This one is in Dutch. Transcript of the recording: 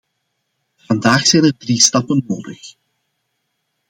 Vandaag zijn er drie stappen nodig.